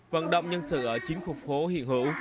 vận động nhân sự ở chín khu phố hiện hữu